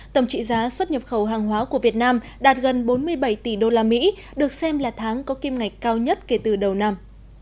tổng trị giá xuất nhập khẩu hàng hóa của việt nam đạt gần bốn mươi bảy tỷ usd được xem là tháng có kim ngạch cao nhất kể từ đầu năm